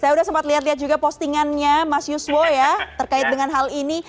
saya sudah sempat lihat lihat juga postingannya mas yuswo ya terkait dengan hal ini